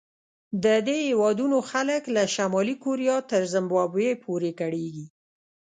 د دې هېوادونو خلک له شمالي کوریا تر زیمبابوې پورې کړېږي.